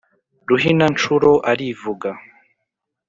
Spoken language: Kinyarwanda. ruhina-ncuro arivuga,